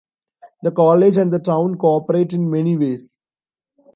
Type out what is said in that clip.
The college and the town cooperate in many ways.